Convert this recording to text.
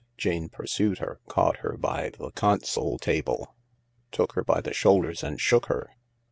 Jane pursued her, caught her by the console table, took her by the shoulders and shook her.